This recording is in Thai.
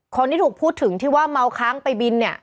คนที่ถูกพูดถึงที่ว่าเมาค้างไปบินเนี่ย